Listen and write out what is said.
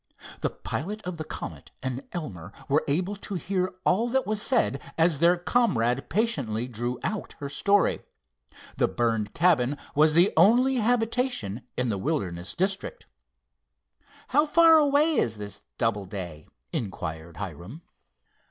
The pilot of the Comet and Elmer were able to hear all that was said as their comrade patiently drew out her story. The burned cabin was the only habitation in the wilderness district. "How far away is this Doubleday?" inquired Hiram.